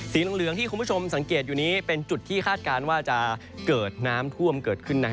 เหลืองที่คุณผู้ชมสังเกตอยู่นี้เป็นจุดที่คาดการณ์ว่าจะเกิดน้ำท่วมเกิดขึ้น